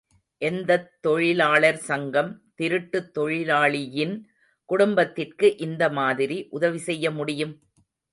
எந்தத் தொழிலாளர் சங்கம் திருட்டு தொழிலாளியின் குடும்பத்திற்கு இந்த மாதிரி உதவி செய்ய முடியும்?